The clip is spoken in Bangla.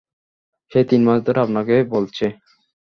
সে তিন মাস ধরে আপনাকে বলছে।